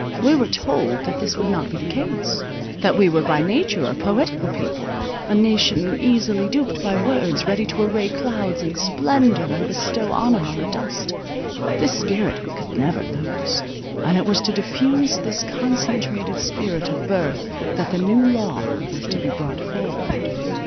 We were told that this would not be the case; that we were by nature a poetical people, a nation easily duped by words, ready to array clouds in splendour, and bestow honour on the dust. This spirit we could never lose; and it was to diffuse this concentrated spirit of birth, that the new law was to be brought forward.